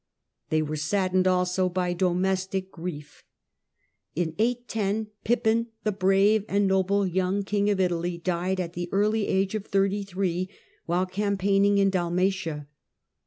> They were saddened also by domestic grief. In 810 Pippin, the brave and noble young king of Italy, died at the early age of thirty three while campaigning in Dalmatia.